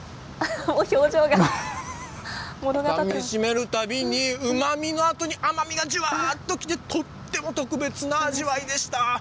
かみしめるたびにうまみのあとに、甘みがじゅわっときて、とっても特別な味わいでした。